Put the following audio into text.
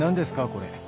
これ。